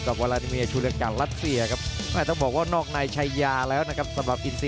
กับวาลดมีอชูเหลือการราศีครับข้าจะต้องบอกว่านอกในใช้ยาแล้วครับ